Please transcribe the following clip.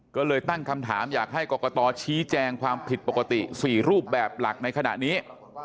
ก็เลยตั้งคำถามอยากให้กรกตชี้แจงความผิดปกติ๔รูปแบบหลักในขณะนี้